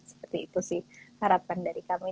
seperti itu sih harapan dari kamu